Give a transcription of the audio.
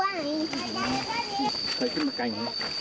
เยี่ยมมากเลย